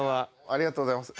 ありがとうございます。